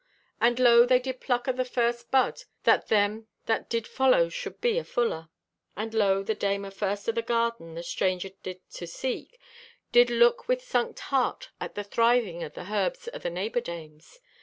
And lo, they did pluck o' the first bud that them that did follow should be afuller. And lo, the dame afirst o' the garden the stranger did to seek, did look with sunked heart at the thriving o' the herbs o' the neighbor dames.